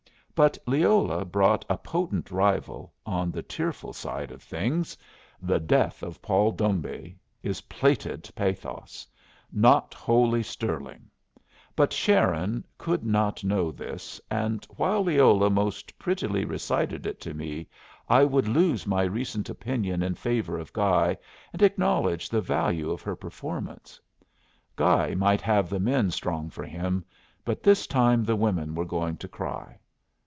But Leola brought a potent rival on the tearful side of things. "The Death of Paul Dombey" is plated pathos, not wholly sterling; but Sharon could not know this; and while Leola most prettily recited it to me I would lose my recent opinion in favor of Guy, and acknowledge the value of her performance. Guy might have the men strong for him, but this time the women were going to cry.